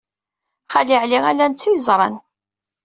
Xali Ɛli, ala netta i yeẓran.